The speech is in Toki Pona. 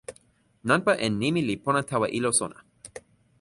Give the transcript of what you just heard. nanpa en nimi li pona tawa ilo sona.